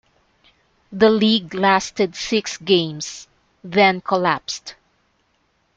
The league lasted six games, then collapsed.